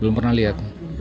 belum pernah lihat